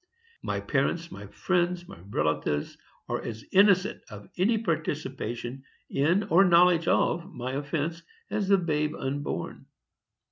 My parents, my friends, my relatives, are as innocent of any participation in or knowledge of my offence as the babe unborn.